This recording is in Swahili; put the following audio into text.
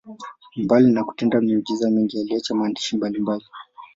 Mbali na kutenda miujiza mingi, aliacha maandishi mbalimbali.